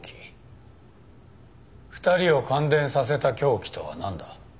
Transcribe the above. ２人を感電させた凶器とはなんだ？